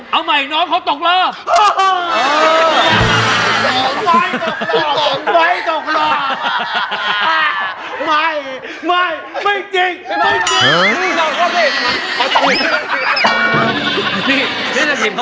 เอาใหม่น้องเขาตกรอบ